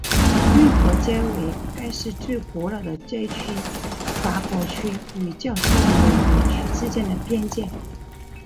运河街为该市最古老的街区法国区与较新的美国区之间的边界。